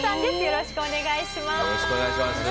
よろしくお願いします。